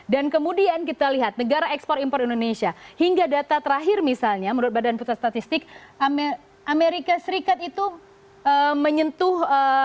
dan kemudian kita lihat negara ekspor impor indonesia hingga data terakhir misalnya menurut badan putra statistik amerika serikat itu menyentuh